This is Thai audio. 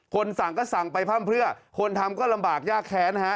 สั่งก็สั่งไปพร่ำเพื่อคนทำก็ลำบากยากแค้นฮะ